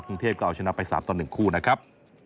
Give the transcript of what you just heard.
กรุงเทพก็เอาชนะไป๓ต่อ๑คู่นะครับ